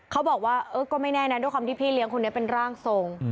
เขาบอกว่าเออก็ไม่แน่นะด้วยความที่พี่เลี้ยงคนนี้เป็นร่างทรง